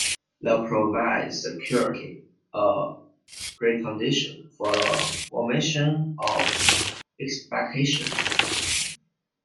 It provides security, a precondition for the formation of expectations.